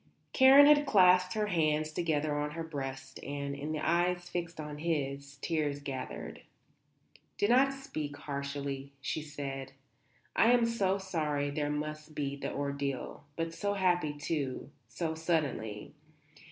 Karen had clasped her hands together on her breast and, in the eyes fixed on his, tears gathered. "Do not speak harshly," she said. "I am so sorry there must be the ordeal. But so happy, too so suddenly.